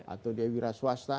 atau dia wira swasta